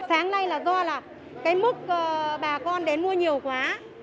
sáng nay là do là cái mức bà con đến mua nhiều quá